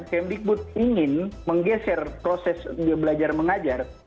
kemdikbud ingin menggeser proses dia belajar mengajar